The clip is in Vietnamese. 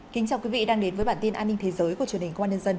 chào mừng quý vị đến với bản tin an ninh thế giới của truyền hình của bản tin dân